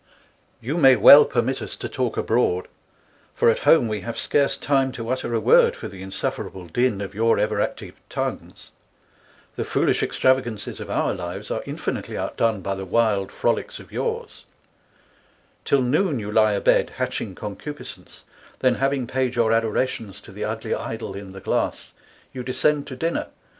You may well permit us to talk abroad, for at home ┬Ā┬Ā┬Ā┬Ā┬Ā┬Ā┬Ā┬Ā┬Ā┬Ā┬Ā┬Ā 4 25 we have scarce time to utter a word for the insufferable Din of your ever active Tongues, the Foolish extravagancies of our lives, are infinitly out done by the wild Frolliques of yours; 'Till Noon you lie a Bed hatching Concupiscence, then having paid your Adorations, ┬Ā┬Ā┬Ā┬Ā┬Ā┬Ā 4 30 to the Ugly Idol in the Glass, you descend to Dinner <<p.